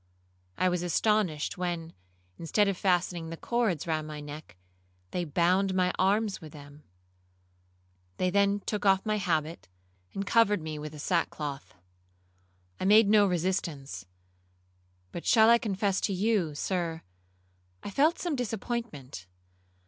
I was astonished, when, instead of fastening the cords round my neck, they bound my arms with them. They then took off my habit, and covered me with the sackcloth. I made no resistance; but shall I confess to you, Sir, I felt some disappointment.